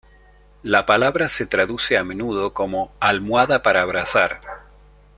La palabra se traduce a menudo como "almohada para abrazar".